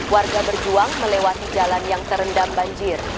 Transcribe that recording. warga berjuang melewati jalan yang terendam banjir